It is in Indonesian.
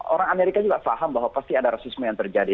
orang amerika juga paham bahwa pasti ada rasisme yang terjadi